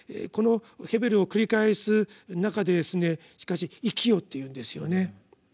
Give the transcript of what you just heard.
この「ヘベル」を繰り返す中でしかし「生きよ」というんですよね。